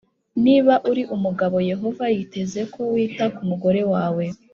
Niba uri umugabo yehova yiteze ko wita ku mugore wawe